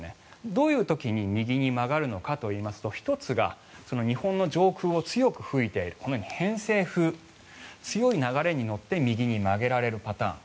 どういう時に右に曲がるのかといいますと１つが日本の上空を強く吹いているこのように偏西風強い流れに乗って右に曲げられるパターン。